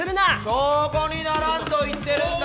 証拠にならんと言ってるんだ！